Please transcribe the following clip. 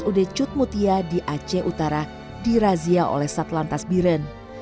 di akun tiktok ini rahmat menemukan pembunuhnya di aceh utara dirazia oleh satlantas biren